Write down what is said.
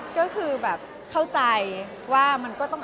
ก็คือแบบเข้าใจว่ามันก็ต้อง